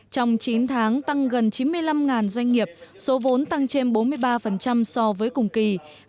trong chín tháng tăng gần chín mươi năm doanh nghiệp số vốn tăng trên bốn mươi ba so với cùng kỳ